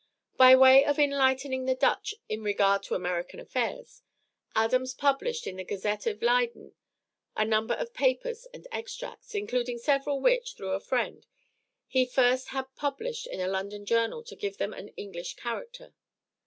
By way of enlightening the Dutch in regard to American affairs, Adams published in the Gazette, of Leyden, a number of papers and extracts, including several which, through a friend, he first had published in a London journal to give to them an English character.